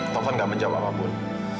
taufan nggak menjawab apapun